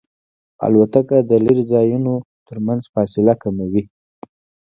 الوتکه د لرې ځایونو ترمنځ فاصله کموي.